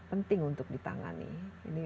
penting untuk ditangani ini